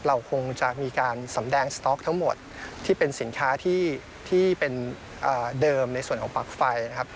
เราคงจะมีการสำแดงสต๊อกทั้งหมดที่เป็นสินค้าที่เป็นเดิมในส่วนของปลั๊กไฟนะครับ